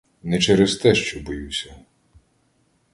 Не через те, що боюся.